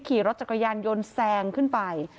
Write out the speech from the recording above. ขี่รถจักรยานยนต์แซงขึ้นไป